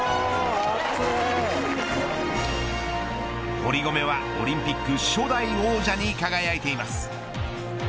堀米はオリンピック初代王者に輝いています。